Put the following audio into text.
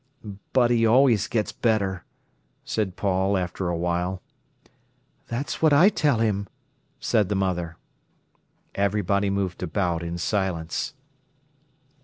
"But he always gets better," said Paul after a while. "That's what I tell him," said the mother. Everybody moved about in silence.